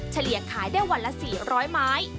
เฉลี่ยขายได้วันละ๔๐๐ไม้